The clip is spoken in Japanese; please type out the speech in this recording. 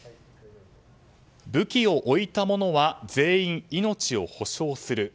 武器を置いた者は全員、命を保証する。